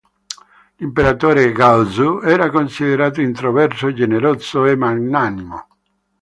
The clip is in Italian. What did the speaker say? L'imperatore Gao Zu era considerato introverso, generoso e magnanimo.